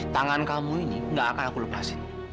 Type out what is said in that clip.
tangan kamu ini gak akan aku lepasin